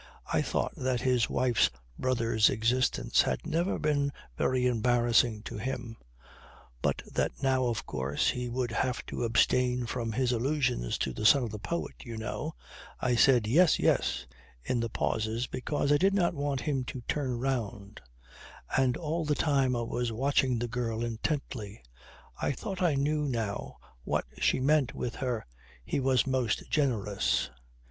I thought that his wife's brother's existence had never been very embarrassing to him but that now of course he would have to abstain from his allusions to the "son of the poet you know." I said "yes, yes" in the pauses because I did not want him to turn round; and all the time I was watching the girl intently. I thought I knew now what she meant with her "He was most generous."